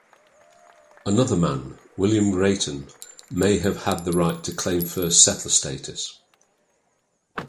Another man, William Brayton, may have had the right to claim first settler status.